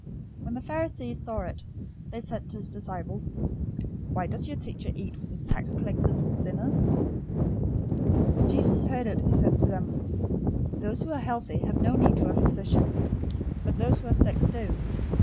009:011 When the Pharisees saw it, they said to his disciples, "Why does your teacher eat with tax collectors and sinners?" 009:012 When Jesus heard it, he said to them, "Those who are healthy have no need for a physician, but those who are sick do.